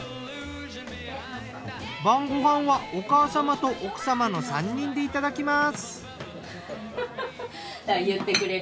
晩ご飯はお母様と奥様の３人でいただきます。